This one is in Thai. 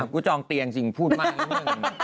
ฉันจองเตียงจริงพูดมากแล้วมึง